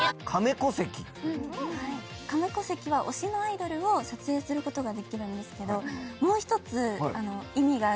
カメコ席は推しのアイドルを撮影することができるんですけど。